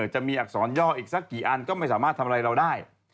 จะมีอักษรย่ออีกสักกี่อันก็ไม่สามารถทำอะไรเราได้